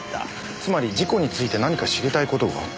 つまり事故について何か知りたい事があった。